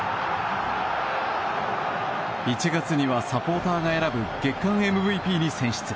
１月にはサポーターが選ぶ月間ＭＶＰに選出。